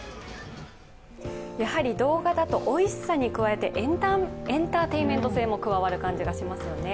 やはり動画だとおいしさに加えて、エンターテインメント性も加わる感じがしますよね。